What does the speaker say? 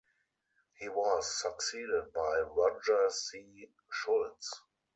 He was succeeded by Roger C. Schultz.